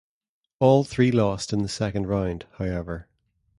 All three lost in the second round, however.